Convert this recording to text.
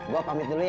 gua pamit dulu ya